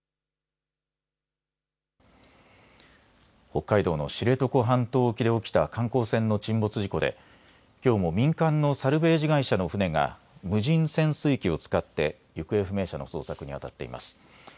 北海道の知床半島沖で起きた観光船の沈没事故できょうも民間のサルベージ会社の船が無人潜水機を使って行方不明者の捜索にあたっています。